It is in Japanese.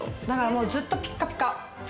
だからもう、ずっとぴっかぴか。